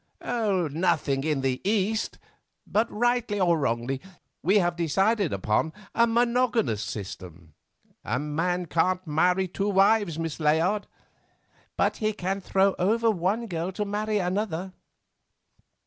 "Nothing—in the East—but, rightly or wrongly, we have decided upon a monogamous system; a man can't marry two wives, Miss Layard." "But he can throw over one girl to marry another."